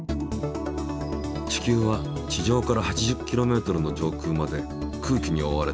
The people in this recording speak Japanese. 地球は地上から８０ｋｍの上空まで空気におおわれている。